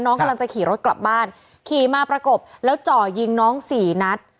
กำลังจะขี่รถกลับบ้านขี่มาประกบแล้วจ่อยิงน้องสี่นัด